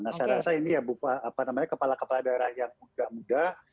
saya rasa ini kepala kepala daerah yang muda muda